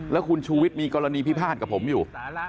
แล้วคุณชูวิทย์มีกรณีพิพาทกับผมอยู่